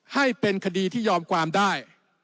ให้เป็นคดีที่ยอมความได้